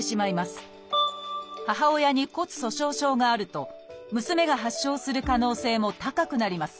母親に骨粗しょう症があると娘が発症する可能性も高くなります。